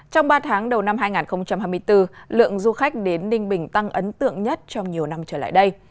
trong ba tháng đầu năm hai nghìn hai mươi bốn lượng du khách đến ninh bình tăng ấn tượng nhất trong nhiều năm trở lại đây